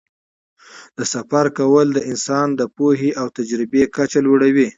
د سفر کول د انسان د پوهې او تجربې کچه لوړوي.